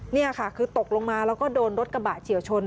นี่ค่ะคือตกลงมาแล้วก็โดนรถกระบะเฉียวชน